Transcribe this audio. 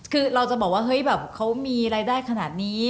คือเราจะบอกว่าเฮ้ยแบบเขามีรายได้ขนาดนี้